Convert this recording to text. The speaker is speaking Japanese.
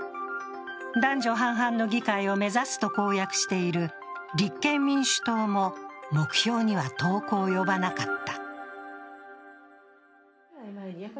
男女半々の議会を目指すと公約している立憲民主党も目標には遠く及ばなかった。